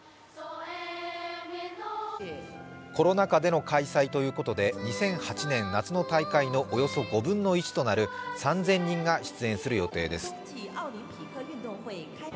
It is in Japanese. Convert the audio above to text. コロナ禍での開催ということで２００８年夏の大会のおよそ５分の１となる３０００人が出演する予定です。